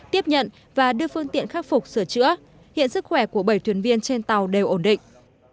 tiếp nhận và đưa phương tiện khắc phục sửa chữa hiện sức khỏe của bảy thuyền viên trên tàu đều ổn định